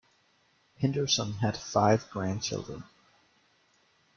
Henderson had five grandchildren.